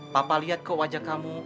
papa lihat ke wajah kamu